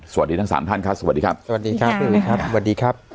สวัสดีทั้งสามท่านครับสวัสดีครับสวัสดีครับพี่อุ๋ยครับสวัสดีครับ